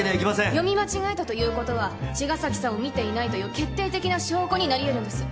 読み間違えたということは茅ヶ崎さんを見ていないという決定的な証拠になり得るんです